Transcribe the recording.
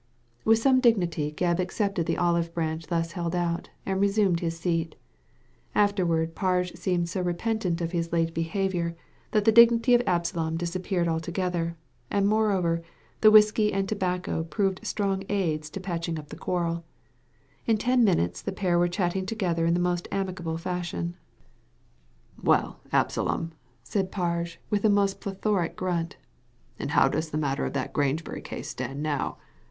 With some dignity Gebb accepted the olive branch thus held out, and resumed his seat Afterward Parge seemed so repentant of his late behaviour that the Digitized by Google 272 THE LADY FROM NOWHERE dignity of Absalom disappeared altogether; and, moreover, the whisky and tobacco proved strong aids to patching up the quarrel In ten minutes the pair were chatting together in the most amicable fashion. "Well, Absalom," said Parge, with a plethoric grunt, "and how does the matter of that Grangebury case stand now?